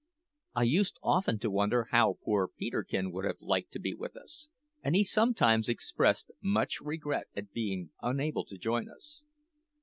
I used often to wonder how poor Peterkin would have liked to be with us; and he sometimes expressed much regret at being unable to join us.